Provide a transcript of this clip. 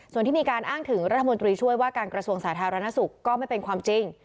ส่วนที่มีการอ้างถึงรัฐมนตรีช่วยว่าการกระทรวงสาธารณสุขก็ไม่เป็นความจริง